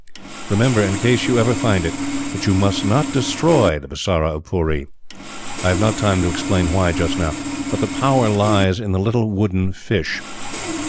Remember, in case you ever find it, that you must not destroy the Bisara of Pooree. I have not time to explain why just now, but the power lies in the little wooden fish.